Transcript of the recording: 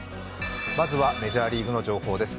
まずはメジャーリーグの情報です